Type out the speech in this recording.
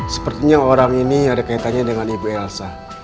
sepertinya orang ini ada kaitannya dengan ibu elsa